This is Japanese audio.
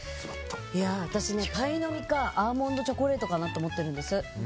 私、パイの実かアーモンドチョコレートかなと思ってるんです。